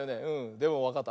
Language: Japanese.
でもわかった？